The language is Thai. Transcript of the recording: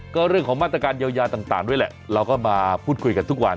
ก็เรื่องของมาตรการเยียวยาต่างด้วยแหละเราก็มาพูดคุยกันทุกวัน